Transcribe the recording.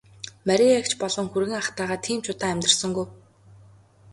Мария эгч болон хүргэн ахтайгаа тийм ч удаан амьдарсангүй.